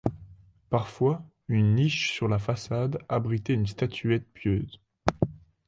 Parfois une niche sur la façade abritait une statuette pieuse.